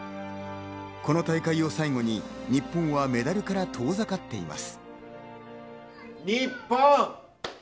この大会を最後に日本はメダルから遠ざかっています。